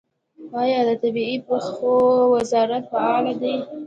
آیا د طبیعي پیښو وزارت فعال دی؟